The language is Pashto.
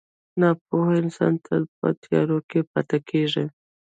• ناپوهه انسان تل په تیارو کې پاتې کېږي.